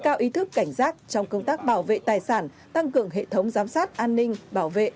cao ý thức cảnh giác trong công tác bảo vệ tài sản tăng cường hệ thống giám sát an ninh bảo vệ